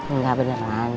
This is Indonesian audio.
enggak beneran serius